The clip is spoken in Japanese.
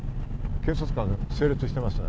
警察官が整列しています。